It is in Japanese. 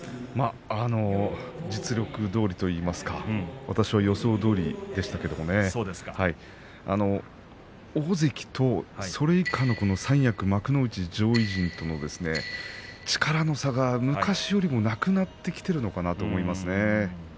実力どおりといいますか私は予想どおりでしたけれどもね大関とそれ以下の三役、幕内上位陣との力の差が昔よりもなくなってきているのかなと思いますね。